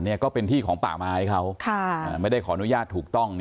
นี่ก็เป็นที่ของป่าไม้เขาไม่ได้ขออนุญาตถูกต้อง